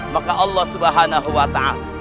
maka allah swt